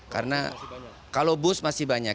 karena kalau bus masih banyak